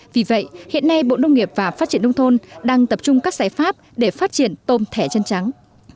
vì vậy hiện nay bộ nông nghiệp và phát triển nông thôn đang tập trung các giải pháp để phát triển tôm thẻ chân trắng